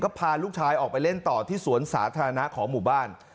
ก็พาลูกชายออกไปเล่นต่อที่สวนสาธารณะของหมู่บ้าน